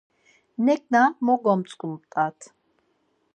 Neǩna mo gomtzǩimt̆at!